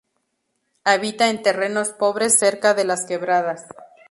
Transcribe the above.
Habita en terrenos pobres cerca de las quebradas.